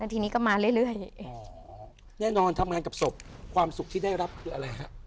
แล้วทีนี้ก็มาเรื่อยเรื่อยอ๋อแน่นอนทำงานกับศพความสุขที่ได้รับคืออะไรครับ